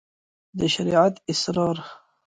د شريعت اسرار